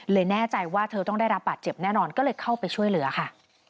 แน่ใจว่าเธอต้องได้รับบาดเจ็บแน่นอนก็เลยเข้าไปช่วยเหลือค่ะ